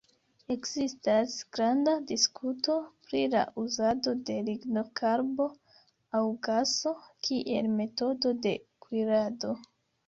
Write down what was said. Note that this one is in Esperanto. Ekzistas granda diskuto pri la uzado de lignokarbo aŭ gaso kiel metodo de kuirado.